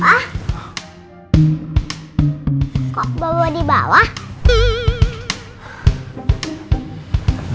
kok bobo di bawah